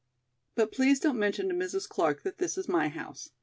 But please don't mention to Mrs. Clark that this is my house.